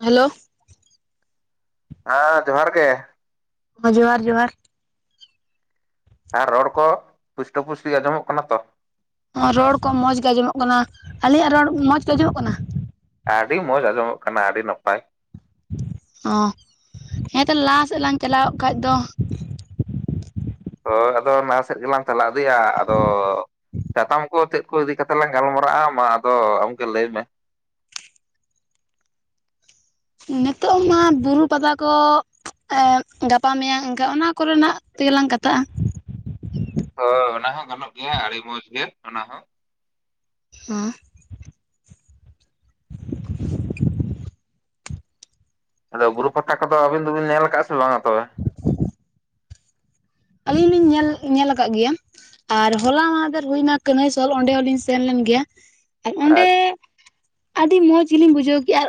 Hello ᱦᱮᱸ ᱡᱚᱦᱟᱨ ᱜᱮ ᱦ ᱡᱚᱦᱟᱨ ᱡᱚᱦᱟᱨ ᱟᱨ ᱨᱚᱲ ᱠᱚ ᱯᱩᱥᱴᱟᱹ ᱯᱩᱥᱴᱤ ᱟᱸᱡᱚᱢᱚᱜ ᱠᱟᱱᱟ ᱛᱚ? ᱨᱚᱲ ᱠᱚ ᱢᱚᱸᱡᱽ ᱜᱮ ᱟᱸᱡᱚᱢᱚᱜ ᱠᱟᱱᱟ ᱟᱞᱤᱧᱟᱜ ᱨᱚᱲ ᱢᱚᱸᱡᱽ ᱜᱮ ᱟᱸᱡᱚᱢᱚᱜ ᱠᱟᱱᱟ? ᱟᱹᱰᱤ ᱢᱚᱡᱽ ᱟᱸᱡᱚᱢᱚᱜ ᱠᱟᱱᱟ ᱟᱹᱰᱤ ᱱᱟᱯᱟᱭ ᱚ ᱦᱮᱸ ᱛᱟᱦᱞᱮ ᱞᱟᱦᱟ ᱥᱮᱫ ᱞᱟᱝ ᱪᱟᱞᱟᱣᱚᱜ ᱠᱷᱟᱱ ᱫᱚ ᱦᱳᱭ ᱟᱫᱚ ᱞᱟᱦᱟ ᱥᱮᱫ ᱜᱮᱞᱟᱝ ᱪᱟᱞᱟᱣ ᱤᱫᱤᱭᱟ ᱟᱫᱚ ᱥᱟᱛᱟᱢ ᱠᱚ ᱪᱮᱫ᱾ ᱤᱫᱤ ᱠᱟᱛᱮ ᱞᱟᱝ ᱜᱟᱞᱢᱟᱨᱟᱜᱼᱟ ᱢᱟ ᱟᱫᱚ ᱟᱢᱜᱮ ᱞᱟᱹᱭ ᱢᱮ ᱱᱤᱛᱚᱜ ᱢᱟ ᱵᱩᱨᱩ ᱯᱟᱛᱟ ᱠᱚ ᱜᱟᱯᱟ ᱢᱮᱭᱟᱝ ᱤᱱᱠᱟ ᱚᱱᱟ ᱠᱚᱨᱮᱱᱟᱜ ᱛᱮᱜᱮᱞᱟᱝ ᱠᱟᱛᱷᱟᱜᱼᱟ᱾ ᱦ ᱚᱱᱟ ᱦᱚᱸ ᱜᱟᱱᱚᱜ ᱜᱮᱭᱟ ᱟᱹᱰᱤ ᱢᱚᱸᱡᱽ ᱜᱮ ᱚᱱᱟ ᱦᱚᱸ᱾ ᱦ ᱟᱫᱚ ᱵᱩᱨᱩ ᱯᱟᱛᱟ ᱠᱚᱫᱚ ᱟᱵᱤᱱ ᱫᱚᱵᱤᱱ ᱧᱮᱞ ᱟᱠᱟᱫᱼᱟ ᱥᱮ ᱵᱟᱝ ᱟᱫᱚ ᱟᱹᱞᱤᱧ ᱞᱤᱧ ᱧᱮᱞ ᱧᱮᱞ ᱟᱠᱟᱫ ᱜᱮᱭᱟ᱾ ᱟᱨ ᱦᱚᱞᱟ ᱢᱟᱦᱫᱮᱨ ᱦᱩᱭᱱᱟ ᱠᱟᱹᱱᱟᱹᱭᱥᱨ ᱚᱸᱰᱮ ᱦᱚᱞᱤᱧ ᱥᱮᱱ ᱞᱮᱱ ᱜᱮᱭᱟ ᱟᱨ ᱚᱸᱰᱮ ᱟᱪᱪᱷᱟ [unintelligible] ᱟᱹᱰᱤ ᱢᱚᱡᱽ ᱜᱮᱞᱤᱧ ᱵᱩᱡᱷᱟᱹᱣ ᱠᱮᱫ ᱟᱨ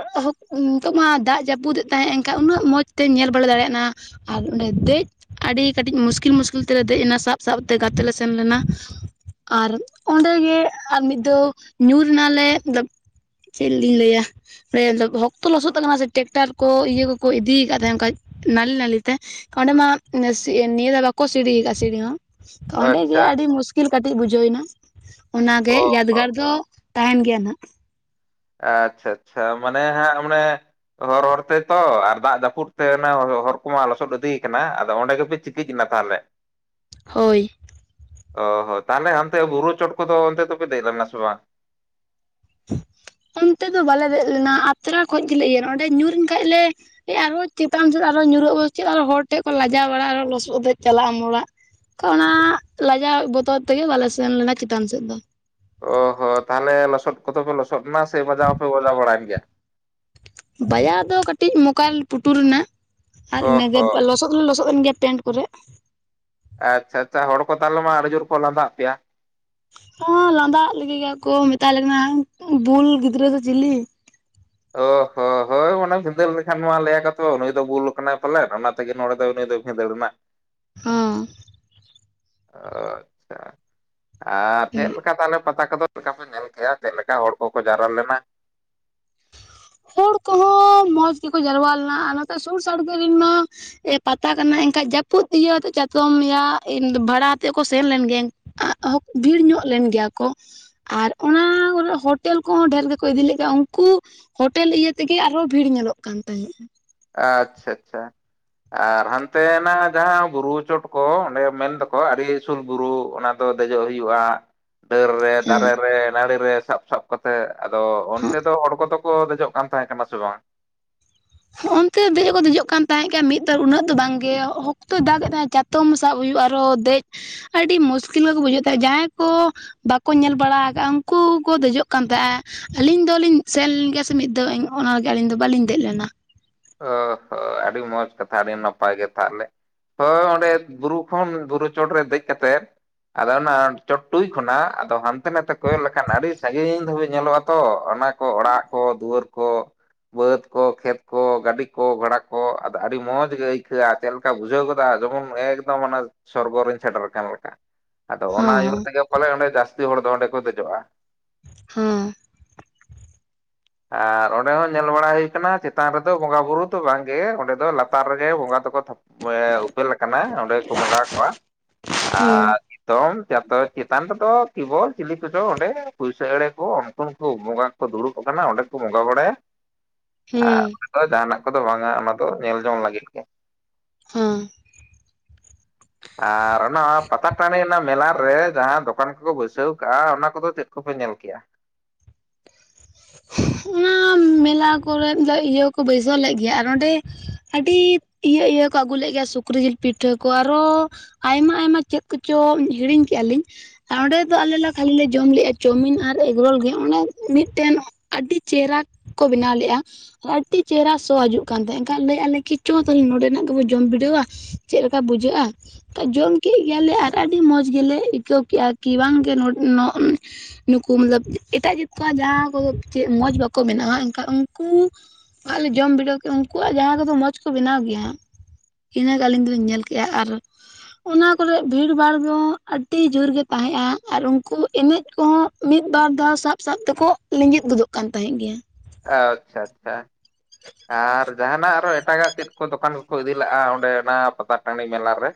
ᱱᱤᱛᱚᱜ ᱢᱟ ᱫᱟᱜ ᱡᱟᱹᱯᱩᱫ ᱮᱫ ᱛᱟᱦᱮᱸᱜ ᱮᱱᱠᱷᱟᱱ ᱩᱱᱟᱹᱜ ᱢᱚᱡᱽᱛᱮᱧ ᱧᱮᱞ ᱵᱟᱲᱟ ᱫᱟᱲᱮᱭᱟᱜᱼᱟ᱾ ᱟᱨ ᱚᱸᱰᱮ ᱫᱮᱡ ᱟᱹᱰᱤ ᱠᱟᱹᱴᱤᱡ ᱢᱩᱥᱠᱤᱞ ᱢᱩᱥᱠᱤᱞ ᱢᱩᱥᱠᱤᱞ ᱛᱮᱞᱮ ᱫᱮᱡ ᱮᱱᱟ ᱥᱟᱵ ᱥᱟᱵ ᱛᱮ ᱜᱟᱛᱮ ᱞᱮ ᱥᱮᱱ ᱞᱮᱱᱟ᱾ ᱟᱨ ᱚᱸᱰᱮᱜᱮ ᱟᱨ ᱢᱤᱫ ᱫᱷᱟᱣ ᱧᱩᱨ ᱮᱱᱟᱞᱮ ᱪᱮᱫ ᱞᱤᱧ ᱞᱟᱹᱭᱟ? ᱚᱠᱛᱚ ᱞᱚᱥᱚᱫ ᱛ ᱠᱟᱱᱟ ᱥᱮ ᱴᱮᱠᱴᱟᱨ ᱠᱚ ᱤᱭᱟᱹ ᱠᱚᱠᱚ ᱤᱫᱤᱭ ᱟᱠᱟᱫ ᱛᱟᱦᱮᱸᱱ ᱠᱷᱟᱱᱡ ᱱᱟᱹᱞᱤ ᱱᱟᱹᱞᱤ ᱛᱮ, ᱠᱚᱱ ᱢᱟ ᱱᱤᱭᱟᱹ ᱫᱵᱟ ᱠᱚ ᱥᱤᱲᱤ ᱟᱠᱟᱫᱼᱟ ᱥᱤᱲᱤ ᱦᱚᱸᱚ ᱚᱸᱰᱮ ᱜᱮ ᱟᱪᱪᱷᱟ, ᱟᱹᱰᱤ ᱢᱩᱥᱠᱤᱞ ᱠᱟᱹᱴᱤᱡ ᱵᱩᱡᱷᱟᱹᱣ ᱮᱱᱟ᱾ ᱚᱱᱟᱜᱮ ᱚ ᱦᱚ ᱮᱭᱟᱟᱫᱽᱜᱟᱨ ᱫᱚ ᱛᱟᱦᱮᱱ ᱜᱮᱭᱟ ᱱᱟᱦᱟᱜ ᱟᱪᱪᱷᱟ ᱟᱪᱪᱷᱟ ᱢᱟᱱᱮ ᱦᱮᱸ ᱢᱟᱱᱮ ᱦᱚᱨ ᱦᱚᱨ ᱛᱮᱛᱚ ᱟᱨ ᱫᱟᱜ ᱡᱟᱹᱯᱩᱫᱽ ᱛᱮ ᱦᱚᱨ ᱠᱚᱢᱟ ᱞᱚᱥᱚᱫ ᱤᱫᱤᱭᱟ ᱠᱟᱱᱟ ᱟᱫᱚ ᱚᱸᱰᱮ ᱜᱮᱯᱮ ᱪᱤᱠᱤᱡ ᱮᱱᱟ ᱛᱟᱦᱚᱞᱮ᱾ ᱦᱳᱭ, ᱚ ᱦᱚᱸ ᱛᱟᱦᱚᱞᱮ ᱦᱟᱱᱛᱮ ᱵᱩᱨᱩ ᱪᱚᱴ ᱠᱚᱫᱚ ᱚᱱᱛᱮ ᱫᱚᱯᱮ ᱫᱮᱡ ᱞᱮᱱᱟ ᱥᱮ ᱵᱟᱝ? ᱚᱱᱛᱮ ᱫᱚ ᱵᱟᱞᱮ ᱫᱮᱡ ᱞᱮᱱᱟ ᱟᱛᱨᱟ ᱠᱷᱚᱱ ᱜᱮᱞᱮ ᱤᱭᱟᱹᱱᱟ ᱚᱸᱰᱮ ᱧᱩᱨᱮᱱ ᱠᱷᱟᱡ ᱞᱮ ᱟᱨᱦᱚ ᱪᱮᱛᱟᱱ ᱥᱮᱫ ᱟᱨᱦᱚ ᱧᱩᱨᱩᱜ ᱟᱵᱚ ᱥᱮ ᱪᱮᱫ ᱦᱚᱲ ᱴᱷᱮᱡ ᱠᱚ ᱞᱟᱡᱟᱣ ᱯᱟᱲᱟ ᱟᱨᱚ ᱞᱚᱥᱚᱫ ᱛᱮ ᱪᱟᱞᱟᱜ ᱟᱢ ᱚᱲᱟᱜ᱾ ᱚᱱᱟ ᱞᱟᱡᱟᱣ ᱵᱚᱛᱚᱨ ᱛᱮᱜᱮ ᱵᱟᱞᱮ ᱥᱮᱱ ᱞᱮᱱᱟ ᱪᱮᱛᱟᱱ ᱥᱮᱫ ᱫᱚ᱾ ᱚ ᱦᱚᱸ ᱛᱟᱦᱚᱞᱮ ᱞᱚᱥᱚᱫ ᱠᱚᱫᱚ ᱯᱮ ᱞᱚᱥᱚᱫ ᱮᱱᱟ ᱥᱮ ᱵᱟᱡᱟᱣ ᱦᱚᱸᱯᱮ ᱵᱟᱡᱟᱣ ᱵᱟᱲᱟ ᱭᱮᱱ ᱜᱮᱭᱟ? ᱵᱟᱡᱟᱭ ᱫᱚ ᱠᱟᱹᱴᱤᱡ ᱢᱳᱠᱟ ᱯᱩᱴᱩᱨ ᱮᱱᱟ ᱟᱨ ᱚ ᱤᱱᱟᱹᱜᱮ ᱦᱚᱸ ᱞᱚᱥᱚᱫ ᱯᱩᱨᱟᱹ ᱞᱚᱥᱚᱫ ᱮᱱ ᱜᱮᱭᱟ ᱞᱮ ᱯᱮᱱᱴ ᱠᱚᱨᱮ, ᱟᱪᱪᱷᱟ ᱟᱪᱪᱷᱟ ᱦᱚᱲ ᱠᱚ ᱛᱟᱦᱚᱞᱮ ᱢᱟ ᱟᱹᱰᱤ ᱡᱳᱨ ᱠᱚ ᱞᱟᱸᱫᱟ ᱟᱜ ᱯᱮᱭᱟ, ᱦᱚᱸ ᱞᱟᱸᱫᱟᱜ ᱞᱮ ᱜᱮᱭᱟ ᱠᱚ ᱢᱮᱛᱟᱞᱮ ᱠᱟᱱᱟ ᱠᱩ ᱵᱩᱞ ᱜᱤᱫᱽᱨᱟᱹ ᱥᱮ ᱪᱤᱞᱤ ᱚ ᱦᱚ ᱦᱳᱭ ᱢᱟᱱᱮ ᱵᱷᱤᱫᱟᱹᱲ ᱞᱮᱠᱷᱟᱱ ᱱᱚᱣᱟ ᱞᱟᱹᱭ ᱟᱠᱟ ᱛ ᱱᱩᱭ ᱫᱚ ᱵᱩᱞ ᱟᱠᱟᱱᱟᱭ ᱯᱟᱞᱮᱱ ᱚᱱᱟ ᱛᱮᱜᱮ ᱱᱚᱰᱮ ᱫᱚ ᱱᱩᱭ ᱫᱚ ᱵᱷᱤᱸᱫᱟᱹᱲ ᱮᱱᱟ᱾ ᱦᱚᱸ ᱦᱳᱭ ᱟᱨ ᱪᱮᱫ ᱞᱮᱠᱟ ᱛᱟᱦᱞᱮ ᱯᱟᱛᱟ ᱠᱚᱫᱚ ᱞᱮᱠᱟ ᱯᱮ ᱧᱮᱞ ᱠᱮᱫᱮᱜᱼᱟ ᱪᱮᱫ ᱞᱮᱠᱟ ᱦᱚᱲ ᱠᱚᱠᱚ ᱡᱟᱣᱨᱟ ᱞᱮᱱᱟ? ᱦᱚᱲ ᱠᱚᱦᱚᱸ ᱢᱚᱡᱽ ᱜᱮᱠᱚ ᱡᱟᱣᱨᱟ ᱞᱮᱱᱟ ᱟᱨ ᱱᱚᱛᱮ ᱥᱩᱨ ᱥᱟᱲᱜᱮ ᱨᱮᱱ ᱢᱟ ᱮ ᱯᱟᱛᱟ ᱠᱟᱱᱟ ᱮᱱᱠᱷᱟᱡ ᱡᱟᱹᱯᱩᱫ ᱤᱭᱟᱹᱛᱮᱫ ᱪᱟᱛᱚᱢ ᱵᱷᱟᱲᱟ ᱟᱛᱮᱫ ᱠᱚ ᱥᱮᱱ ᱞᱮᱱ ᱜᱮᱭᱟ ᱵᱷᱤᱲ ᱧᱚᱜ ᱞᱮᱱ ᱜᱮᱭᱟ ᱠᱚ᱾ ᱟᱨ ᱚᱱᱟ ᱠᱚᱨᱮ ᱦᱳᱴᱮᱞ ᱠᱚᱦᱚᱸ ᱰᱷᱮᱨ ᱜᱮᱠᱚ ᱤᱫᱤ ᱞᱮ ᱜᱮᱭᱟ ᱩᱱᱠᱩ ᱦᱳᱴᱮᱞ ᱤᱭᱟᱹ ᱛᱮᱜᱮ ᱟᱨᱦᱚᱸ ᱵᱷᱤᱲ ᱧᱮᱞᱚᱜ ᱠᱟᱱ ᱛᱟᱦᱮᱸᱫᱼᱟ᱾ ᱟᱪᱪᱷᱟ ᱟᱪᱪᱷᱟ᱾ ᱟᱨ ᱦᱟᱱᱛᱮᱱᱟᱜ ᱡᱟᱦᱟᱸ ᱵᱩᱨᱩ ᱪᱚᱴ ᱠᱚ ᱚᱸᱰᱮ ᱢᱮᱱ ᱫᱚᱠᱚ ᱟᱹᱰᱤ ᱩᱥᱩᱞ ᱵᱩᱨᱩ ᱚᱱᱟ ᱫᱚ ᱫᱮᱡᱚᱜ ᱦᱩᱭᱩᱜᱼᱟ ᱰᱟᱹᱨ ᱨᱮ ᱦᱮᱸ ᱫᱟᱨᱮ ᱨᱮ ᱱᱟᱹᱲᱤ ᱨᱮ ᱥᱟᱵ ᱥᱟᱵ ᱠᱚᱛᱮ ᱟᱫᱚ ᱚᱱᱛᱮ ᱫᱚ ᱦᱚᱲ ᱠᱚᱫᱚ ᱠᱚ ᱫᱮᱡᱚᱜ ᱠᱟᱱ ᱛᱟᱦᱮᱸ ᱠᱟᱱᱟ ᱥᱮ ᱵᱟᱝ? ᱦᱚᱜᱼᱚᱱᱛᱮ ᱫᱮᱡ ᱠᱚ ᱫᱮᱡᱚᱜ ᱠᱟᱱ ᱛᱟᱦᱮᱸᱫ ᱜᱮ ᱢᱤᱫ ᱵᱟᱨ ᱩᱱᱟᱹᱜ ᱫᱚ ᱛᱚ, ᱵᱟᱝᱜᱮ ᱦᱚᱠᱛᱚᱭ ᱫᱟᱜ ᱮᱫ ᱛᱟᱦᱮᱸᱜ ᱪᱟ ᱛᱚᱢ ᱥᱟᱵ ᱦᱩᱭᱩᱜᱼᱟ ᱟᱨᱚ ᱫᱮᱡ ᱟᱹᱰᱤ ᱢᱩᱥᱠᱤᱞ ᱜᱮᱠᱚ ᱵᱩᱡᱷᱟᱹᱜ ᱛᱟᱦᱮᱸ ᱡᱟᱦᱟᱸᱭ ᱠᱚ ᱵᱟᱠᱚ ᱧᱮᱞ ᱵᱟᱲᱟ ᱟᱠᱟᱜᱼᱟ ᱩᱱᱠᱩ ᱠᱚ ᱫᱮᱡᱚᱜ ᱠᱟᱱ ᱛᱟᱦᱮᱸ ᱟᱹᱞᱤᱧ ᱫᱚᱞᱤᱧ ᱥᱮᱱ ᱞᱮᱱ ᱜᱮᱭᱟ ᱥᱮ ᱢᱤᱫ ᱫᱷᱟᱣ ᱚᱱᱟ ᱞᱟᱹᱜᱤᱫ ᱟᱹᱞᱤᱧ ᱫᱚ ᱵᱟᱞᱤᱧ ᱫᱮᱡ ᱞᱮᱱᱟ᱾ ᱚ ᱦᱚᱸ ᱟᱹᱰᱤ ᱢᱚᱸᱡᱽ ᱠᱟᱛᱷᱟ ᱟᱹᱰᱤ ᱱᱟᱯᱟᱭ ᱜᱮ ᱛᱟᱦᱚᱞᱮ ᱦᱳᱭ ᱚᱸᱰᱮ ᱵᱩᱨᱩ ᱠᱷᱚᱱ ᱵᱩᱨᱩ ᱪᱚᱴ ᱨᱮ ᱫᱮᱡ ᱠᱟᱛᱮᱫ ᱟᱫᱚ ᱚᱱᱟ ᱪᱚᱴ ᱴᱩᱭ ᱠᱷᱚᱱᱟᱜ ᱟᱫᱚ ᱦᱟᱱᱛᱮ ᱱᱟᱛᱮ ᱠᱚᱭᱚᱜ ᱞᱮᱠᱷᱟᱱ ᱟᱹᱰᱤ ᱥᱟᱺᱜᱤᱧ ᱫᱷᱟᱹᱵᱤᱡ ᱧᱮᱞᱚᱜᱼᱟ ᱛᱚ ᱚᱱᱟ ᱠᱚ ᱚᱲᱟᱜ ᱠᱚ ᱫᱩᱣᱟᱹᱨ ᱠᱚ ᱵᱟᱹᱫᱽ ᱠᱚ ᱠᱷᱮᱛ ᱠᱚ ᱜᱟᱹᱰᱤ ᱠᱚ ᱜᱷᱚᱲ ᱠᱚ ᱟᱫᱚ ᱟᱹᱰᱤ ᱢᱚᱡᱽ ᱜᱮ ᱟᱹᱭᱠᱟᱹᱜᱼᱟ ᱪᱮᱫ ᱞᱮᱠᱟ ᱵᱩᱡᱷᱟᱹᱣ ᱜᱚᱫᱟ ᱡᱮᱢᱚᱱ ᱮᱠᱫᱚᱢ ᱚᱱᱮ ᱥᱚᱨᱜᱚᱨ ᱨᱤᱧ ᱥᱮᱴᱮᱨ ᱟᱠᱟᱱ ᱞᱮᱠᱟ ᱟᱫᱚ ᱚᱱᱟ ᱤᱭᱩᱨ ᱦᱚᱸ ᱛᱮᱜᱮ ᱯᱟᱞᱮ ᱚᱸᱰᱮ ᱡᱟᱹᱥᱛᱤ ᱦᱚᱲ ᱫᱚ ᱚᱸᱰᱮ ᱠᱚ ᱫᱮᱡᱚᱜ-ᱟ᱾ ᱦᱩᱸ ᱟᱨ ᱚᱸᱰᱮ ᱦᱚᱸ ᱧᱮᱞ ᱵᱟᱲᱟ ᱦᱩᱭ ᱠᱟᱱᱟ ᱪᱮᱛᱟᱱ ᱨᱮᱫᱚ ᱵᱚᱸᱜᱟ ᱵᱩᱨᱩ ᱫᱚ ᱵᱟᱝᱜᱮ ᱚᱸᱰᱮ ᱫᱚ ᱞᱟᱛᱟᱨ ᱨᱮᱜᱮ ᱵᱚᱸᱜᱟ ᱫᱚᱠᱚ ᱛᱷᱟᱯ [inaudible] ᱩᱯᱮᱞ ᱟᱠᱟᱱᱟ ᱚᱸᱰᱮ ᱠᱚ ᱵᱚᱸᱜᱟ ᱠᱚᱣᱟ ᱦᱚᱸ ᱟᱨ ᱮᱠᱫᱚᱢ ᱡᱟᱛᱚ ᱪᱮᱛᱟᱱ ᱨᱮᱫᱚ ᱠᱤᱵᱚᱞ ᱪᱤᱞᱤ ᱠᱚᱪᱚᱝ ᱚᱸᱰᱮ ᱯᱩᱭᱥᱟᱹ ᱮᱲᱮ ᱠᱚ ᱩᱱᱠᱩ ᱦᱚᱸ ᱠᱚ ᱵᱚᱸᱜᱟ ᱠᱚ ᱫᱩᱲᱩᱵ ᱠᱚ ᱠᱟᱱᱟ ᱚᱸᱰᱮ ᱠᱚ ᱵᱚᱸᱜᱟ ᱵᱟᱲᱟᱭᱟ ᱦᱩᱸ ᱟᱨ ᱦᱩᱸ ᱚᱸᱰᱮ ᱫᱚ ᱡᱟᱦᱟᱱᱟᱜ ᱠᱚᱫᱚ ᱵᱟᱝᱟ ᱚᱱᱟ ᱫᱚ ᱧᱮᱞ ᱡᱚᱝ ᱞᱟᱹᱜᱤᱫ ᱜᱮ ᱦᱮᱸ ᱟᱨ ᱚᱱᱟ ᱯᱟᱛᱟ ᱴᱟᱺᱰᱤ ᱨᱮᱱᱟᱜ ᱢᱮᱞᱟ ᱨᱮ ᱡᱟᱦᱟᱸ ᱫᱚ ᱠᱟᱱ ᱠᱚᱠᱚ ᱵᱟᱹᱭᱥᱟᱹᱣ ᱠᱟᱜᱼᱟ ᱚᱱᱟ ᱠᱚᱫᱚ ᱪᱮᱫ ᱠᱚᱯᱮ ᱧᱮᱞ ᱠᱮᱜᱼᱟ ᱚᱱᱟ ᱢᱮᱞᱟ ᱠᱚᱨᱮᱫ ᱫᱚ ᱤᱭᱟᱹ ᱠᱚ ᱵᱟᱹᱭᱥᱟᱹᱣ ᱞᱮᱫ ᱜᱮᱭᱟ ᱟᱨ ᱚᱸᱰᱮ ᱟᱹᱰᱤ ᱤᱭᱟᱹ ᱤᱭᱟᱹ ᱠᱚ ᱟᱹᱜᱩ ᱞᱮᱫ ᱜᱮᱭᱟ ᱥᱩᱠᱨᱤ ᱡᱤᱞ ᱯᱤᱴᱷᱟᱹ ᱠᱚ ᱟᱨᱚ ᱟᱭᱢᱟ ᱟᱭᱢᱟ ᱪᱮᱫ ᱠᱚᱪᱚ ᱦᱤᱲᱤᱧ ᱠᱮᱟᱞᱤᱧ ᱚᱸᱰᱮ ᱫᱚ ᱟᱞᱮ ᱞᱮ ᱠᱷᱟᱹᱞᱮ ᱡᱚᱢ ᱞᱮᱼᱟ ᱪᱟᱣᱢᱤᱱ ᱟᱨ ᱮᱜᱽᱨᱳᱞ ᱜᱮ ᱚᱱᱮ ᱢᱤᱫᱴᱮᱱ ᱟᱹᱰᱤ ᱪᱮᱦᱨᱟ ᱠᱚ ᱵᱮᱱᱟᱣ ᱞᱮᱫᱼᱟ ᱟᱹᱰᱤ ᱪᱮᱦᱨᱟ ᱥᱚ ᱦᱤᱡᱩᱜ ᱠᱟᱱ ᱛᱟᱦᱮᱸᱫ ᱮᱱᱠᱷᱟᱱ ᱞᱟᱹᱭ ᱮᱫᱟ ᱞᱮ ᱠᱤ ᱪᱚ ᱛᱮᱦᱮ ᱱᱚᱰᱮᱱᱟᱜ ᱜᱮᱵᱚ ᱡᱚᱢ ᱵᱤᱰᱟᱹᱣᱟ ᱪᱮᱫ ᱞᱮᱠᱟ ᱵᱩᱡᱷᱟᱹᱜ-ᱟ ᱡᱚᱢ ᱠᱮᱫ ᱜᱮᱭᱟᱞᱮ ᱟᱨ ᱟᱹᱰᱤ ᱢᱚᱸᱡᱽ ᱜᱮᱞᱮ ᱟᱹᱭᱠᱟᱹᱣ ᱠᱮᱫᱼᱟ ᱠᱤ ᱵᱟᱝᱜᱮ ᱱᱚ ᱱᱩᱠᱩ ᱢᱚᱛᱞᱚᱵᱽ ᱮᱴᱟᱜ ᱡᱟᱹᱛ ᱠᱚᱣᱟᱜ ᱡᱟᱦᱟᱸ ᱠᱚ ᱪᱮᱫ ᱢᱚᱡᱽ ᱵᱟᱠᱚ ᱵᱮᱱᱟᱣᱼᱟ ᱮᱱᱠᱷᱟᱱ ᱩᱱᱠᱩ ᱟᱜ ᱞᱮ ᱡᱚᱢ ᱵᱤᱰᱟᱹᱣ ᱠᱮᱫ ᱩᱱᱠᱩᱣᱟᱜ ᱡᱟᱦᱟᱸ ᱠᱚᱫᱚ ᱢᱚᱸᱡᱽ ᱠᱚ ᱵᱮᱱᱟᱣ ᱜᱮᱭᱟ ᱤᱱᱟᱹᱜᱮ ᱟᱹᱞᱤᱧ ᱫᱚᱞᱤᱧ ᱧᱮᱞ ᱠᱮᱜᱼᱟ ᱟᱨ ᱚᱱᱟ ᱠᱚᱨᱮ ᱵᱷᱤᱲ ᱵᱷᱟᱲ ᱫᱚ ᱟᱹᱰᱤ ᱡᱳᱨ ᱜᱮ ᱛᱟᱦᱮᱸᱜᱼᱟ ᱟᱨ ᱩᱱᱠᱩ ᱮᱱᱮᱡ ᱠᱚᱦᱚᱸ ᱢᱤᱫᱵᱟᱨ ᱫᱷᱟᱣ ᱥᱟᱵ ᱥᱟᱵ ᱛᱮᱠᱚ ᱞᱮᱡᱮᱫ ᱜᱚᱫᱚᱜ ᱠᱟᱱ ᱛᱟᱦᱮᱸᱫ ᱜᱮᱭᱟ ᱟᱪᱪᱷᱟ ᱟᱪᱪᱷᱟ ᱟᱨ ᱡᱟᱦᱟᱱᱟᱜ ᱟᱨᱚ ᱮᱴᱟᱜᱟᱜ ᱪᱮᱫ ᱫᱚᱠᱟᱱ ᱠᱚᱠᱚ ᱤᱫᱤ ᱞᱟᱜᱼᱟ ᱚᱸᱰᱮ ᱚᱱᱟ ᱯᱟᱛᱟ ᱴᱟᱺᱰᱤ ᱢᱮᱞᱟ ᱨᱮ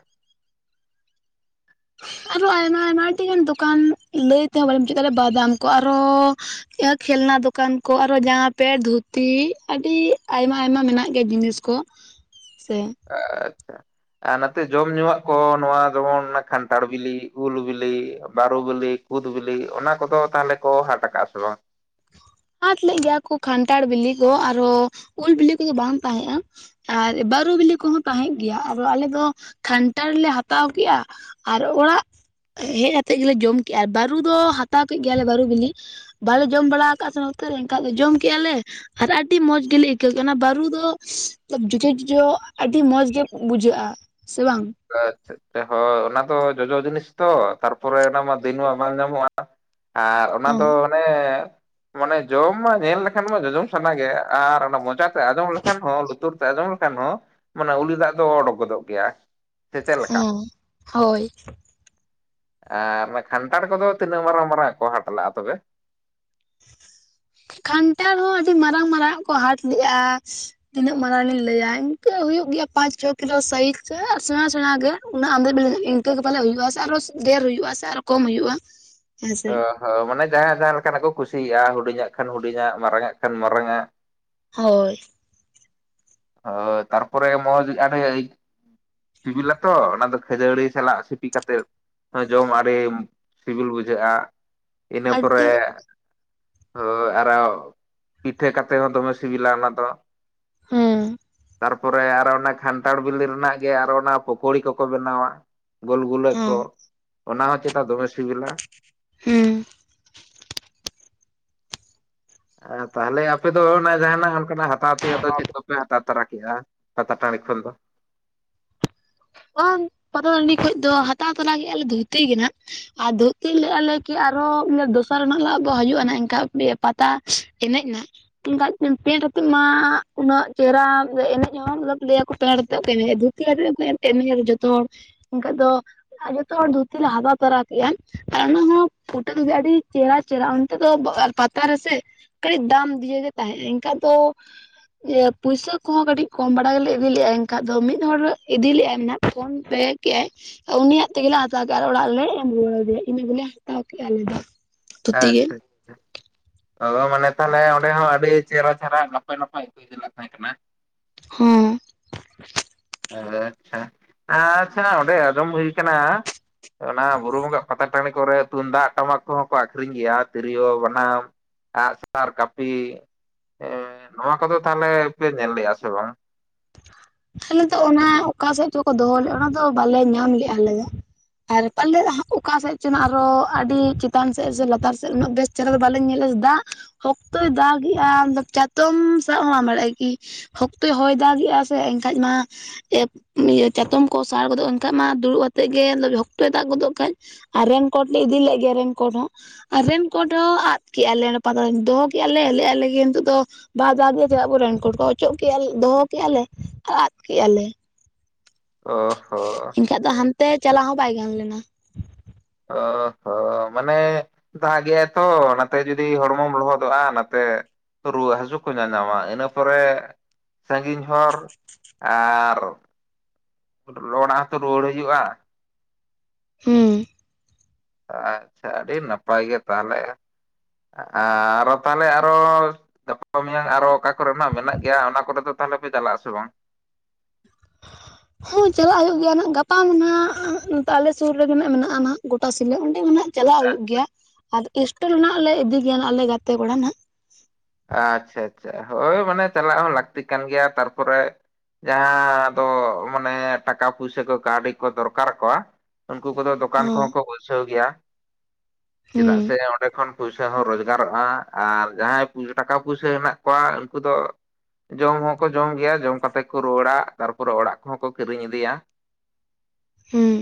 ᱟᱨᱚ ᱟᱭᱢᱟ ᱟᱭᱢᱟ ᱟᱹᱰᱤ ᱜᱟᱱ ᱫᱚᱠᱟᱱ ᱞᱟᱹᱭ ᱛᱮᱦᱚᱸ ᱵᱟ, ᱭ ᱢᱩᱪᱟᱹᱫ ᱫᱟᱲᱮᱭᱟᱜᱼᱟ ᱵᱟᱫᱟᱢ ᱠᱚ ᱟᱨᱚ ᱠᱷᱮᱞᱱᱟ ᱫᱚᱠᱟᱱ ᱠᱚ ᱟᱨᱚ ᱡᱟᱢᱟ ᱯᱮᱴ ᱫᱷᱩᱛᱤ ᱟᱹᱰᱤ ᱟᱭᱢᱟ ᱟᱭᱢᱟ ᱢᱮᱱᱟᱜ ᱜᱮᱭᱟ ᱡᱤᱱᱤᱥ ᱠᱚ ᱥᱮ ᱟᱪᱪᱷᱟ ᱟᱨ ᱱᱚᱛᱮ ᱡᱚᱢ ᱧᱩᱣᱟᱜ ᱠᱚ ᱱᱚᱣᱟ ᱡᱮᱢᱚᱱ ᱠᱷᱟᱱᱴᱷᱟᱲ ᱵᱤᱞᱤ ᱩᱞ ᱵᱤᱞᱤ ᱵᱟᱹᱨᱩ ᱵᱤᱞᱤ ᱠᱩᱫ ᱵᱤᱞᱤ ᱚᱱᱟ ᱠᱚᱫᱚ ᱛᱟᱦᱚᱞᱮ ᱠᱚ ᱦᱟᱴ ᱠᱟᱜᱼᱟ ᱥᱮ ᱵᱟᱝ ᱦᱟᱴ ᱞᱮ ᱜᱮᱭᱟ ᱠᱚ ᱠᱷᱟᱱᱴᱷᱟᱲ ᱵᱤᱞᱤ ᱠᱚ ᱟᱨᱦᱚᱸ ᱩᱞ ᱵᱤᱞᱤ ᱠᱚᱫᱚ ᱵᱟᱝ ᱛᱟᱦᱮᱸᱜᱼᱟ ᱟᱨ ᱵᱟᱹᱨᱩ ᱵᱤᱞᱤ ᱠᱚᱦᱚᱸ ᱛᱟᱦᱮᱸᱫ ᱜᱮᱭᱟ ᱟᱫᱚ ᱟᱞᱮ ᱫᱚ ᱠᱟᱱᱴᱟᱲ ᱞᱮ ᱦᱟᱛᱟᱣ ᱠᱮᱫᱼᱟ ᱟᱨ ᱚᱲᱟᱜ ᱦᱮᱡ ᱠᱟᱛᱮᱜ ᱜᱮᱞᱮ ᱡᱚᱢ ᱠᱮᱫᱼᱟ ᱟᱨ ᱵᱟᱹᱨᱩ ᱫᱚ ᱦᱟᱛᱟᱣ ᱠᱮᱫ ᱜᱮᱭᱟᱞᱮ ᱵᱟᱹᱨᱩ ᱵᱤᱞᱤ ᱡᱚᱢ ᱵᱟᱲᱟ ᱟᱠᱟᱫ ᱥᱮ ᱱᱚᱛᱮ ᱨᱮ ᱮᱱᱠᱷᱟᱡ ᱫᱚ ᱡᱚᱢ ᱠᱮᱫᱼᱟ ᱞᱮ ᱟᱨ ᱟᱹᱰᱤ ᱢᱚᱸᱡᱽ ᱜᱮᱞᱮ ᱟᱹᱭᱠᱟᱹᱣ ᱠᱮᱫ-ᱟ ᱚᱱᱟ ᱵᱟᱹᱨᱩ ᱫᱚ ᱡᱚᱡᱚ ᱡᱚᱡᱚ ᱟᱹᱰᱤ ᱢᱚᱸᱡᱽ ᱜᱮ ᱵᱩᱡᱷᱟᱹᱜ-ᱟ ᱥᱮ ᱵᱟᱝ ᱟᱪᱪᱷᱟ ᱦᱳᱭ ᱚᱱᱟ ᱫᱚ ᱡᱚᱡᱚ ᱡᱤᱱᱤᱥ ᱛᱚ ᱛᱟᱨᱯᱚᱨᱮ ᱚᱱᱟ ᱢᱟ ᱫᱤᱱ ᱢᱟ ᱵᱟᱝ ᱧᱟᱢᱚᱜᱼᱟ ᱟᱨ ᱚᱱᱟ ᱦᱚᱸ ᱫᱚ ᱚᱱᱮ ᱢᱟᱱᱮ ᱡᱚᱢ ᱢᱟ ᱧᱮᱞ ᱞᱮᱠᱷᱟᱱ ᱢᱟ ᱡᱚᱡᱚᱢ ᱥᱟᱱᱟ ᱜᱮ ᱟᱨ ᱚᱱᱟ ᱢᱚᱪᱟᱛᱮ ᱟᱸᱡᱚᱢ ᱞᱮᱠᱷᱟᱱ ᱦᱚᱸ ᱞᱩᱛᱩᱨ ᱟᱡᱚᱢᱚᱢ ᱞᱮᱠᱷᱟᱱ ᱦᱚᱸ ᱢᱟᱱᱮ ᱩᱞᱤ ᱫᱟᱜ ᱫᱚ ᱚᱰᱩᱠ ᱜᱚᱫᱚᱜ ᱜᱮᱭᱟ ᱥᱮ ᱪᱮᱫ ᱞᱮᱠᱟ ᱦᱚᱸ ᱦᱳᱭ ᱟᱨ ᱠᱷᱟᱱᱴᱷᱟᱲ ᱠᱚᱫᱚ ᱛᱤᱱᱟᱹᱜ ᱢᱟᱨᱟᱝ ᱢᱟᱨᱟᱝ ᱠᱚ ᱦᱟᱴ ᱞᱟᱜᱼᱟ ᱛᱚᱵᱮ ᱠᱷᱟᱱᱴᱷᱟᱲ ᱦᱚᱸ ᱟᱹᱰᱤ ᱢᱟᱨᱟᱝ ᱢᱟᱨᱟᱝ ᱟᱜ ᱠᱚ ᱦᱟᱴ ᱞᱮᱜᱼᱟ ᱛᱤᱱᱟᱹᱜ ᱢᱟᱨᱟᱲᱟᱝ ᱞᱤᱧ ᱞᱟᱹᱭᱟ ᱤᱱᱠᱟᱹ ᱦᱩᱭᱩᱜ ᱜᱮᱭᱟ ᱯᱟᱸᱪ ᱪᱷᱚ ᱠᱤᱞᱳ ᱥᱟᱭᱤᱡ ᱥᱮᱬᱟ ᱥᱮᱬᱟ ᱜᱮ ᱚᱱᱟ ᱟᱸᱫᱚ ᱤᱱᱠᱟᱹ ᱜᱮ ᱯᱟᱞᱮ ᱦᱩᱭᱩᱜᱼᱟ ᱥᱮ ᱟᱨᱚ ᱰᱷᱮᱹᱨ ᱦᱩᱭᱩᱜᱼᱟ ᱥᱮ ᱟᱨᱚ ᱥᱮ ᱠᱚᱢ ᱦᱩᱭᱩᱜᱼᱟ ᱦᱮᱸᱥᱮ ᱚ ᱦᱚᱸ ᱢᱟᱱᱮ ᱡᱟᱦᱟᱸᱭ ᱡᱟᱦᱟᱸ ᱞᱮᱠᱟᱱᱟᱜ ᱠᱚ ᱠᱩᱥᱤᱭᱟᱜᱼᱟ ᱦᱩᱰᱤᱧᱟᱜ ᱠᱷᱟᱱ ᱦᱩᱰᱤᱧᱟᱜ ᱢᱟᱨᱟᱝᱼᱜ ᱠᱷᱟᱱ ᱢᱟᱨᱟᱝᱼᱟᱜ ᱦᱳᱭ ᱦᱚᱸ ᱦᱳᱭ ᱛᱟᱨᱯᱚᱨ ᱢᱚᱡᱽ [unintelligible] ᱥᱤᱵᱤᱞᱟᱛᱚ ᱚᱱᱟ ᱫᱚ ᱠᱷᱟᱹᱡᱟᱹᱲᱤ ᱥᱟᱞᱟᱜ ᱥᱤᱯᱤ ᱠᱟᱛᱮᱫ ᱦᱚᱸ ᱡᱚᱢ ᱟᱹᱰᱤ ᱥᱤᱵᱤᱞ ᱵᱩᱡᱷᱟᱹᱜᱼᱟ ᱤᱱᱟᱹ ᱟᱨ ᱯᱚᱨᱮ ᱴᱤ ᱦᱳᱭ ᱟᱨᱚ ᱯᱤᱴᱷᱟᱹ ᱠᱟᱛᱮᱫ ᱦᱚᱸ ᱫᱚᱢᱮ ᱥᱤᱵᱤᱞᱟ ᱚᱱᱟ ᱫᱚ ᱦᱩᱸ ᱛᱟᱨᱯᱚᱨᱮ ᱟᱨᱚ ᱚᱱᱟ ᱠᱷᱟᱱᱴᱷᱟᱲ ᱵᱤᱞᱤ ᱨᱮᱱᱟᱜ ᱜᱮ ᱟᱨᱚ ᱚᱱᱟ ᱯᱳᱠᱷᱳᱲᱤ ᱠᱚᱠᱚ ᱵᱮᱱᱟᱣᱟ ᱜᱳᱞ ᱜᱩᱞᱟᱹ ᱦᱮᱸ ᱠᱚ ᱚᱱᱟ ᱦᱚᱸ ᱪᱮᱛᱟ ᱫᱚᱢᱮ ᱥᱤᱵᱤᱞᱟ ᱦᱩᱸ ᱛᱟᱦᱚᱞᱮ ᱟᱯᱮ ᱫᱚ ᱚᱱᱟ ᱡᱟᱦᱱᱟᱜ ᱚᱱᱠᱟᱱᱟᱜ ᱦᱟᱛᱟᱣ ᱛᱮᱭᱟᱜ ᱫᱚ ᱪᱮᱫ ᱫᱚᱯᱮ ᱦᱟᱛᱟᱣ ᱛᱟᱨᱟ ᱠᱮᱫᱼᱟ ᱯᱟᱛᱟ ᱴᱟᱸᱬᱤ ᱠᱷᱚᱱ ᱫᱚ ᱵᱟᱝ ᱯᱟᱛᱟ ᱴᱟᱺᱰᱤ ᱠᱷᱚᱱ ᱫᱚ ᱦᱟᱛᱟᱣ ᱛᱚᱨᱟ ᱜᱮᱜᱼᱟ ᱞᱮ ᱫᱷᱩᱛᱤ ᱜᱮ ᱱᱟᱸᱜ ᱟᱨ ᱫᱷᱩᱛᱤ ᱞᱮᱫᱜᱼᱟ ᱞᱮ ᱠᱤ ᱟᱨᱦᱚᱸ ᱫᱚᱥᱟᱨ ᱨᱮᱱᱟᱜ ᱱᱟᱸᱜ ᱵᱚ ᱦᱤᱡᱩᱜᱼᱟ ᱮᱱᱠᱷᱟᱱ ᱯᱟᱛᱟ ᱮᱱᱮᱡ ᱱᱟᱸᱜ ᱮᱠᱷᱟᱱᱡ ᱯᱮᱱᱰ ᱟᱛᱮᱫ ᱢᱟ ᱩᱱᱟᱹᱜ ᱪᱮᱦᱨᱟ ᱮᱱᱮᱡ ᱦᱚᱸ ᱞᱟᱹᱭ ᱟᱠᱚ ᱢᱚᱛᱞᱵᱽ ᱯᱮᱱᱰ ᱟᱛᱮᱫ ᱠᱚ ᱮᱱᱮᱡ-ᱟ ᱫᱚ ᱛᱮᱭᱟᱨ ᱮᱱ ᱡᱚᱛᱚ ᱦᱚᱲ ᱚᱱᱠᱟ ᱫᱚ [unintelligible] ᱟᱨ ᱡᱷᱚᱛᱚ ᱦᱚᱲ ᱫᱷᱩᱛᱤ ᱞᱮ ᱦᱟᱛᱟᱣ ᱛᱚᱨᱟ ᱠᱮᱫᱼᱟ ᱟᱨ ᱚᱱᱟ ᱦᱚᱸ ᱯᱷᱩᱴᱟᱹᱞ ᱜᱮ ᱟᱹᱰᱤ ᱪᱮᱦᱨᱟ ᱪᱟᱨᱟᱜ ᱚᱱᱛᱮ ᱫᱚ ᱯᱟᱛᱟ ᱨᱮᱥᱮ ᱠᱟᱹᱴᱤᱡ ᱫᱟᱢ ᱫᱤᱭᱮ ᱜᱮ ᱛᱟᱦᱮᱸᱫ ᱮᱱᱠᱟᱱ ᱫᱚ ᱡᱮ ᱯᱩᱭᱥᱟᱹ ᱠᱚᱦᱚᱸ ᱠᱟᱹᱴᱤᱡ ᱠᱚᱢ ᱵᱟᱲᱟ ᱜᱮᱞᱮ ᱤᱫᱤ ᱞᱮᱜᱼᱟ ᱮᱱᱠᱷᱟᱡ ᱫᱚ ᱢᱤᱫ ᱦᱚᱲᱚᱲ ᱤᱫᱤ ᱞᱮᱟᱭ ᱦᱮᱱᱟᱜ ᱯᱷᱳᱱ ᱯᱮ ᱠᱮᱜᱼᱟᱭ ᱩᱱᱤᱭᱟᱜ ᱛᱮᱜᱮ ᱞᱮ ᱦᱟᱛᱟᱣ ᱠᱮᱫᱼᱟ ᱟᱨ ᱚᱲᱟᱜ ᱨᱮᱞᱮ ᱮᱢ ᱨᱩᱣᱟᱹᱲ ᱟᱫᱮᱭᱟ ᱤᱱᱟᱹ ᱜᱮᱞᱮ ᱦᱟᱛᱟᱣ ᱠᱮᱫᱼᱟ ᱟᱞᱮ ᱫᱚ ᱦᱮᱸ ᱛᱷᱩᱛᱤ ᱜᱮ ᱮᱱᱛᱮᱫ ᱟᱫᱫᱟ ᱢᱟᱱᱮ ᱛᱟᱦᱞᱮ ᱚᱸᱰᱮ ᱦᱚᱸ ᱟᱹᱰᱤ ᱪᱮᱦᱨᱟ ᱪᱮᱦᱨᱟ ᱱᱟᱯᱟᱭ ᱱᱟᱯᱟᱭ ᱦᱩᱭ ᱪᱟᱞᱟᱜ ᱛᱟᱦᱮᱸ ᱠᱟᱱᱟ ᱦᱮᱸ ᱟᱪᱪᱷᱟ ᱟᱪᱪᱷᱟ ᱚᱸᱰᱮ ᱟᱸᱡᱚᱢ ᱦᱩᱭ ᱟᱠᱟᱱᱟ ᱚᱱᱟ ᱵᱩᱨᱩ ᱵᱚᱸᱜᱟ ᱯᱟᱛᱟ ᱴᱟᱸᱬᱤ ᱠᱚᱨᱮ ᱛᱩᱢᱫᱟᱜ ᱴᱟᱢᱟᱠ ᱠᱚᱦᱚᱸ ᱠᱚ ᱟᱠᱠᱷᱨᱤᱧ ᱜᱮᱭᱟ ᱛᱤᱨᱭᱳ ᱵᱟᱱᱟᱢ ᱟᱸᱜ-ᱥᱟᱨ ᱠᱟᱹᱯᱤ ᱱᱚᱣᱟ ᱠᱚᱫᱚ ᱛᱟᱦᱞᱮ ᱯᱮ ᱧᱮᱞ ᱞᱮᱜᱼᱟ ᱥᱮ ᱵᱟᱝ? ᱛᱟᱦᱞᱮ ᱫᱚ ᱚᱱᱟ ᱚᱠᱟ ᱥᱮᱫ ᱪᱠᱚ ᱫᱚᱦᱚ ᱞᱮᱫᱼᱟ ᱚᱱᱟ ᱫᱚ ᱵᱟᱞᱮ ᱧᱟᱢ ᱞᱮᱼᱟ ᱟᱞᱮ ᱫᱚ ᱟᱨ ᱯᱟᱞᱮᱫ ᱚᱠᱟᱥᱮᱫ ᱪᱮᱱ ᱟᱨᱚ ᱟᱹᱰᱤ ᱪᱮᱛᱟᱱ ᱥᱮᱫ ᱥᱮ ᱞᱟᱛᱟᱨ ᱥᱮᱫ ᱩᱱᱟᱹᱜ ᱵᱮᱥ ᱪᱮᱫᱚ ᱫᱚ ᱵᱟᱞᱨ ᱧᱮᱧ ᱞᱮᱞᱟ ᱫᱟᱜ ᱥᱠᱛᱚᱭ ᱫᱟᱜ ᱮᱜᱼᱟ ᱪᱟᱛᱚᱢ ᱥᱟᱵ ᱦᱚᱸ ᱟᱢ ᱵᱟᱲᱮᱜ-ᱟ ᱠᱤ ᱦᱚᱠᱛᱚᱭ ᱦᱚᱭ ᱫᱟᱜᱮᱜᱼᱟ ᱥᱮ ᱮᱱᱠᱷᱟᱡ ᱢᱟ ᱤᱭᱟᱹ ᱪᱟᱛᱚᱢ ᱠᱚ ᱥᱟᱲ ᱜᱚᱫᱚᱜᱼᱟ ᱮᱱᱠᱟᱱ ᱢᱟ ᱫᱩᱲᱩᱵ ᱟᱛᱮᱜ ᱜᱮ ᱦᱡᱚᱠᱛᱚᱭ ᱫᱟᱜ ᱜᱚᱫᱚᱜ ᱠᱷᱟᱡ ᱟᱨ ᱨᱮᱱ ᱠᱳᱴ ᱞᱮ ᱤᱫᱤ ᱞᱮᱫ ᱜᱮᱭᱟ ᱨᱮᱱ ᱠᱳᱴ ᱦᱚᱸ ᱟᱨ ᱨᱮᱱ ᱠᱳᱸᱰ ᱦᱚᱸ ᱟᱫ ᱠᱮᱫᱼᱟ ᱞᱮ ᱚᱱᱟ ᱯᱟᱛᱟ ᱫᱚᱦᱚ ᱠᱮᱫᱼᱟ ᱞᱮ ᱞᱮᱭᱮᱜ-ᱟᱞᱮ ᱱᱤᱛᱚᱜ ᱫᱚ ᱵᱟ ᱡᱟᱜᱮ ᱡᱮ ᱟᱵᱚ ᱨᱮᱱᱠᱳᱰᱠᱚ ᱚᱪᱚᱜ ᱠᱮᱫᱼᱟ ᱫᱚᱦᱚ ᱠᱮᱫᱼᱟ ᱞᱮ ᱟᱨ ᱟᱫ ᱠᱮᱫ ᱟ ᱞᱮ ᱚ-ᱦᱳ ᱮᱱᱠᱷᱟᱡ ᱫᱚ ᱦᱟᱱᱛᱮ ᱪᱟᱞᱟᱣ ᱦᱚᱸ ᱵᱟᱭ ᱜᱟᱱ ᱞᱮᱱᱟ ᱾ ᱚ ᱦᱚᱸ ᱢᱟᱱᱮ ᱫᱟᱜ ᱜᱮ-ᱟᱭ ᱛᱚ ᱚᱱᱟᱛᱮ ᱡᱩᱫᱤ ᱦᱚᱲᱢᱚᱢ ᱞᱚᱦᱚᱫᱚᱜᱼᱟ ᱱᱟᱛᱮ ᱨᱩᱣᱟᱹᱜ ᱦᱟᱹᱥᱩᱜ ᱠᱚ ᱧᱟ-ᱧᱟᱢᱟ ᱤᱱᱟᱹ ᱯᱚᱨᱮ ᱥᱟᱺᱜᱤᱧ ᱦᱚᱨ ᱟᱨ ᱦᱚᱸᱛᱚ ᱨᱩᱣᱟᱹᱲ ᱦᱩᱭᱩᱜᱩᱜᱼᱟ ᱦᱮᱸ ᱟᱪᱪᱷᱟ ᱟᱹᱰᱤ ᱱᱟᱯᱟᱭ ᱜᱮ ᱛᱟᱦᱚᱞᱮ ᱟᱨᱚ ᱛᱟᱦᱚᱞᱮ ᱟᱨᱚ ᱜᱟᱯᱟ ᱢᱮᱭᱟᱝ ᱟᱨᱚ ᱚᱠᱟ ᱠᱚᱨᱮᱱᱟᱜ ᱢᱮᱱᱟᱜ ᱜᱮᱭᱟ ᱚᱱᱟ ᱠᱚᱨᱮ ᱫᱚ ᱛᱟᱦᱚᱞᱮ ᱯᱮ ᱪᱟᱞᱟᱜ ᱟᱥᱮ ᱵᱟᱝ? [inaudible] ᱦᱚᱸ ᱪᱟᱞᱟᱜ ᱦᱩᱭᱩᱜ ᱜᱮᱭᱟ ᱱᱟᱦᱟᱜ ᱜᱟᱯᱟ ᱢᱟ ᱱᱟᱦᱟᱜ ᱱᱚᱛᱮ ᱟᱞᱮ ᱥᱩᱨ ᱨᱮᱜᱮ ᱱᱟᱜ ᱢᱮᱱᱟᱜᱼᱟ ᱱᱟᱦᱟᱜ ᱜᱚᱴᱟ ᱥᱤᱞᱟᱹ ᱚᱸᱰᱮ ᱢᱮᱱᱟᱦᱟᱜ ᱪᱟᱞᱟᱜ ᱦᱩᱭᱩᱜ ᱟᱪᱪᱷᱟ ᱜᱮᱭᱟ ᱟᱨ ᱮᱴᱮᱞ ᱞᱮ ᱤᱫᱤ ᱜᱮᱭᱟ ᱟᱞᱮ ᱜᱟᱛᱮ ᱠᱚᱲᱟ ᱱᱟᱜ ᱟᱪᱪᱷᱟ ᱟᱪᱪᱷᱟ ᱦᱳᱭ ᱢᱟᱱᱮ ᱪᱟᱞᱟᱜ ᱦᱚᱸ ᱞᱟᱹᱠᱛᱤ ᱠᱟᱱ ᱜᱮᱭᱟ ᱛᱟᱨᱯᱚᱨᱮ ᱡᱟᱦᱟᱸ ᱫᱚ ᱢᱟᱱᱮ ᱴᱟᱠᱟ ᱯᱩᱭᱥᱟᱹ ᱠᱚ ᱠᱟᱹᱣᱰᱤ ᱠᱚ ᱫᱚᱨᱠᱟᱨ ᱟᱠᱚᱣᱟ ᱩᱱᱠᱩ ᱠᱚᱫᱚ ᱫᱚᱠᱟᱱ ᱠᱚᱦᱚᱸ ᱦᱚᱸ ᱠᱚ ᱵᱟᱭᱥᱟ ᱵᱟᱶᱥᱟ ᱜᱮᱭᱟ ᱦᱩᱸ ᱪᱮᱫᱟᱜ ᱥᱮ ᱚᱸᱰᱮ ᱠᱷᱚᱱ ᱯᱩᱭᱥᱟᱹ ᱦᱚᱸ ᱨᱳᱡᱽᱜᱟᱨᱚᱜᱼᱟ ᱟᱨ ᱡᱟᱦᱟᱸᱭ ᱴᱟᱠᱟ ᱯᱩᱭᱥᱟᱹ ᱦᱮᱱᱟᱜ ᱠᱚᱣᱟ ᱩᱱᱠᱩ ᱫᱚ ᱡᱚᱢ ᱦᱚᱸᱠᱚ ᱡᱚᱢ ᱜᱮᱭᱟ ᱡᱚᱢ ᱠᱟᱛᱮ ᱠᱚ ᱨᱩᱣᱟᱹᱲᱟ ᱛᱟᱨᱯᱚᱨᱮ ᱚᱲᱟᱜ ᱠᱚᱦᱚᱸ ᱠᱚ ᱠᱤᱨᱤᱧ ᱤᱫᱤᱭᱟ ᱾ ᱦᱩᱸ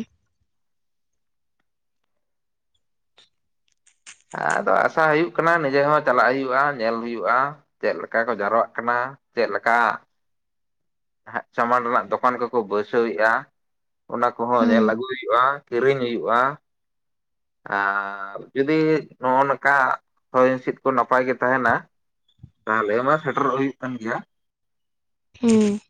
ᱟᱨ ᱟᱥᱟ ᱦᱩᱭᱩᱜ ᱠᱟᱱᱟ ᱱᱤᱡᱮ ᱦᱚᱸ ᱪᱟᱞᱟᱜ ᱦᱩᱭᱩᱜᱼᱟ ᱧᱮᱞ ᱦᱩᱭᱩᱜᱼᱟ᱾ ᱪᱮᱫ ᱞᱮᱠᱟ ᱠᱚ ᱡᱟᱣᱨᱟᱜ ᱠᱟᱱᱟ ᱪᱮᱫ ᱞᱮᱠᱟ ᱦᱸ ᱥᱟᱢᱟᱱ ᱚᱲᱟᱜ ᱫᱚᱠᱟᱱ ᱠᱚᱠᱚ ᱵᱟᱹᱭᱥᱟᱹᱣᱮᱫᱼᱟ ᱚᱱᱟ ᱠᱚᱦᱚᱸ ᱧᱮᱞ ᱦᱩᱸ ᱟᱹᱜᱩᱭ ᱦᱩᱭᱩᱜᱼᱟ ᱾ ᱠᱤᱨᱤᱧ ᱦᱩᱭᱩᱜᱼᱟ ᱟᱨ ᱡᱩᱫᱤ ᱱᱚᱜᱼᱚ ᱱᱚᱝᱠᱟ ᱦᱚᱭ ᱦᱤᱸᱥᱤᱫ ᱠᱚ ᱱᱟᱯᱟᱭ ᱜᱮ ᱛᱟᱦᱮᱱᱟ ᱛᱟᱦᱚᱞᱮ ᱢᱟ ᱥᱮᱴᱮᱨᱚᱜ ᱦᱩᱭᱩᱜ ᱠᱟᱱ ᱜᱮᱭᱟ ᱾ ᱦᱮᱸ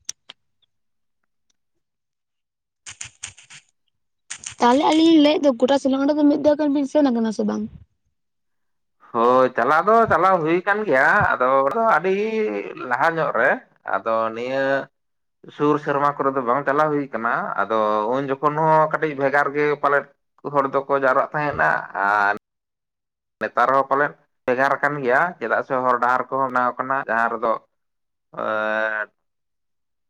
ᱛᱟᱦᱚᱞᱮ ᱟᱹᱞᱤᱧ ᱞᱤᱧ ᱞᱟᱹᱭᱮᱫ ᱫᱚ ᱜᱚᱴᱟ ᱥᱤᱞᱟᱝ ᱚᱸᱰᱮ ᱫᱚ ᱢᱤᱫ ᱫᱷᱟᱣ ᱜᱟᱱ ᱵᱤᱱ ᱥᱮᱱ ᱟᱠᱟᱱᱟ ᱥᱮ ᱵᱟᱝ? ᱦᱳᱭ ᱪᱟᱞᱟᱣ ᱫᱚ ᱪᱟᱞᱟᱣ ᱦᱩᱭᱩ ᱟᱠᱟᱱ ᱜᱮᱭᱟ ᱟᱫᱚ ᱟᱹᱰᱤ ᱞᱟᱦᱟ ᱧᱚᱜ ᱨᱮ ᱟᱫᱚ ᱱᱤᱭᱟᱹ ᱥᱩᱨ ᱥᱮᱨᱢᱟ ᱠᱚᱨᱮ ᱫᱚ ᱵᱟᱝ ᱪᱟᱞᱟᱣ ᱦᱩᱭ ᱠᱟᱱᱟ ᱟᱫᱚ ᱩᱱ ᱡᱚᱠᱷᱚᱱ ᱦᱚᱸ ᱠᱟᱹᱴᱤᱡ ᱵᱷᱮᱜᱟᱨ ᱜᱮ ᱯᱟᱞᱮᱫ ᱦᱚᱲ ᱫᱚᱠᱚ ᱡᱟᱣᱨᱟᱜ ᱛᱟᱦᱮᱱᱟ ᱟᱨ ᱱᱮᱛᱟᱨ ᱦᱚᱸ ᱯᱟᱞᱮᱱ ᱵᱷᱮᱜᱟᱨ ᱠᱟᱱ ᱜᱮᱭᱟ ᱪᱮᱫᱟᱜ ᱥᱮ ᱦᱚᱨ ᱰᱟᱦᱟᱨ ᱠᱚᱦᱚᱸ ᱵᱮᱱᱟᱶ ᱠᱟᱱᱟ ᱡᱟᱦᱟᱸ ᱨᱮᱫᱚ [unintelligible]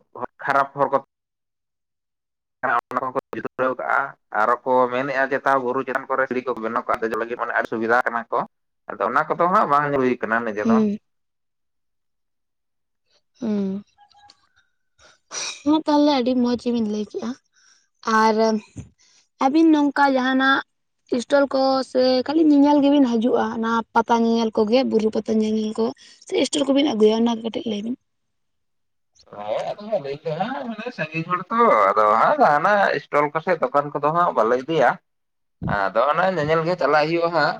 [unintelligible] ᱚᱱᱟ ᱠᱚᱠᱚ [unintelligible] ᱦᱟᱜ ᱟᱨᱚ ᱠᱚ ᱢᱮᱱᱮᱫᱼᱟ ᱪᱮᱛᱟ ᱵᱩᱨᱩ ᱪᱮᱛᱟᱱ ᱠᱚᱨᱮ [unintelligible] [unintelligible] ᱥᱩᱵᱤᱫᱷᱟ ᱠᱟᱱᱟ ᱠᱚ ᱟᱫᱚ ᱚᱱᱟ ᱠᱚᱫᱚ ᱦᱟᱸᱜ ᱵᱟᱝᱧᱮᱞ ᱦᱩᱭ ᱠᱟᱱᱟ ᱱᱤᱡᱮ ᱫᱚ ᱦᱩᱸ ᱦᱩᱸ ᱦᱮᱸ ᱛᱟᱦᱞᱮ ᱟᱹᱰᱤ ᱢᱚᱸᱡᱽ ᱜᱮᱵᱤᱱ ᱞᱟᱹᱭ ᱠᱮᱫᱼᱟ ᱟᱨ ᱟᱹᱵᱤᱱ ᱱᱚᱝᱠᱟ ᱡᱟᱦᱟᱱᱟᱜ ᱤᱥᱴᱚᱞ ᱠᱚ ᱥᱮ ᱠᱷᱟᱹᱞᱤ ᱧᱮᱧᱮᱞ ᱜᱮᱵᱤᱱ ᱦᱤᱡᱩᱜᱼᱟ ᱚᱱᱟ ᱯᱟᱛᱟ ᱧᱮᱧᱮᱞ ᱠᱚᱜᱮ ᱵᱩᱨᱩ ᱯᱟᱛᱟ ᱧᱮᱧᱮᱞ ᱠᱚ ᱪᱮ ᱤᱥᱴᱳᱨ ᱠᱚᱵᱤᱱ ᱟᱹᱜᱩᱭᱟ ᱚᱱᱟ ᱠᱟᱹᱴᱤᱡ ᱞᱟᱹᱭ ᱵᱤᱱ ᱦᱮᱸ ᱟᱫᱚ ᱞᱟᱹᱭᱟ ᱥᱟᱜᱤᱧ ᱦᱚᱲ ᱛᱚ ᱟᱫᱚ ᱦᱟᱸᱜ ᱡᱟᱦᱱᱟᱜ ᱤᱥᱴᱚᱞ ᱠᱚᱥᱮ ᱫᱚᱠᱟᱱ ᱠᱚᱫᱚ ᱦᱟᱸᱜ ᱵᱟᱞᱮ ᱤᱫᱤᱭᱟ ᱟᱫᱚ ᱚᱱᱮ ᱧᱮᱧᱮᱞ ᱜᱮ ᱪᱟᱞᱟᱜ ᱦᱩᱭᱩᱜᱼᱟ ᱦᱟᱸᱜ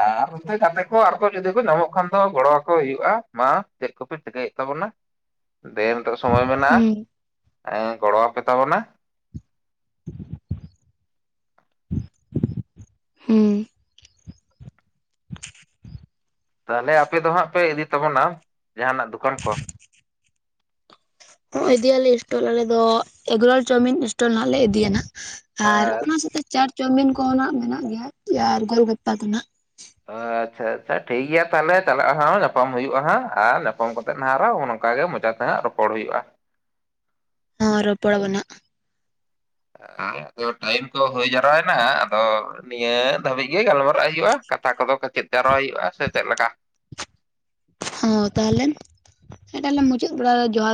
ᱟᱨ ᱱᱚᱱᱛᱮ ᱜᱟᱛᱮ ᱠᱚ ᱟᱨᱚ ᱡᱩᱫᱤ ᱠᱚ ᱧᱟᱢᱚᱜ ᱠᱷᱟᱱ ᱫᱚ ᱜᱚᱲᱚ ᱟᱠᱚ ᱦᱩᱭᱩᱜᱼᱟ ᱢᱟ ᱪᱮᱫ ᱠᱚᱯᱮ ᱪᱤᱠᱟᱹᱭᱮᱫ ᱛᱟᱵᱚᱱᱟ ᱫᱮ ᱱᱤᱛᱚᱜ ᱥᱚᱢᱚᱭ ᱢᱮᱱᱟᱜᱼᱟ ᱦᱩᱸ ᱮᱸ ᱜᱚᱲᱚᱣᱟᱯᱮ ᱛᱟᱵᱚᱱᱟ ᱦᱩᱸ ᱛᱟᱦᱚᱞᱮ ᱟᱯᱮ ᱫᱚ ᱦᱟᱸᱜ ᱯᱮ ᱤᱫᱤ ᱛᱟᱵᱚᱱᱟ ᱡᱟᱦᱟᱱᱟᱜ ᱫᱚᱠᱟᱱ ᱠᱚ ᱦᱚᱸ ᱤᱫᱤᱭᱟᱞᱮ ᱤᱥᱴᱚᱞ ᱟᱞᱮ ᱫᱚ ᱮᱜᱽᱨᱳᱞ ᱪᱟᱣᱢᱤᱱ ᱤᱥᱴᱚᱞ ᱱᱟᱜ ᱞᱮ ᱤᱫᱤᱭᱮᱱᱟ ᱟᱨ ᱮᱸ ᱚᱱᱟ ᱥᱟᱶᱛᱮ ᱪᱟᱴ ᱪᱟᱣᱢᱤᱱ ᱠᱚᱦᱚᱸ ᱱᱟᱜ ᱢᱮᱱᱟᱜ ᱜᱮᱭᱟ ᱟᱨ ᱜᱳᱞ ᱜᱟᱯᱯᱟ ᱫᱚ ᱱᱟᱜ ᱟᱪᱪᱷᱟ ᱟᱪᱪᱷᱟ ᱴᱷᱤᱠ ᱜᱮᱭᱟ ᱛᱟᱦᱚᱞᱮ ᱪᱟᱞᱟᱜᱼᱟ ᱦᱟᱸᱜ ᱧᱟᱯᱟᱢ ᱦᱩᱭᱩᱜᱼᱟ ᱦᱟᱸᱜ ᱟᱨ ᱧᱟᱯᱟᱢ ᱠᱟᱛᱮ ᱱᱟᱦᱟ ᱟᱨᱚᱜ ᱚᱱᱠᱟ ᱜᱮ ᱢᱚᱪᱟᱛᱮ ᱦᱟᱜ ᱨᱚᱯᱚᱲ ᱦᱩᱭᱩᱜᱼᱟ ᱦᱚᱸ ᱨᱚᱯᱚᱲ ᱟᱵᱚᱱᱦᱟᱜ ᱟᱫᱚ ᱴᱟᱭᱤᱢ ᱠᱚ ᱦᱩᱭ ᱡᱟᱣᱟᱭᱮᱱᱟ ᱟᱫᱚ ᱱᱤᱭᱟᱹ ᱫᱷᱟᱹᱵᱤᱡ ᱜᱮ ᱜᱟᱞᱢᱟᱨᱟᱜ ᱦᱩᱭᱩᱜᱼᱟ ᱠᱟᱛᱷᱟ ᱠᱚᱫᱚ ᱠᱮᱪᱮᱫ ᱡᱟᱨᱶᱟᱭ ᱦᱩᱭᱩᱜᱼᱟ ᱥᱮ ᱪᱮᱫ ᱞᱮᱠᱟ ᱦᱚᱸ ᱛᱟᱦᱚᱞᱮ ᱢᱤᱫᱴᱟᱝ ᱢᱩᱪᱟᱹᱫ ᱵᱟᱲᱟ ᱨᱮ ᱡᱚᱦᱟᱨ